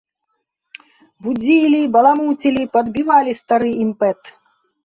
Будзілі, баламуцілі, падбівалі стары імпэт.